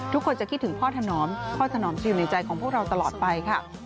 ทุกคนจะคิดถึงพ่อถนอมพ่อถนอมอยู่ในใจของพวกเราตลอดไปค่ะ